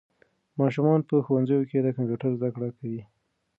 ماشومان په ښوونځیو کې د کمپیوټر زده کړه کوي.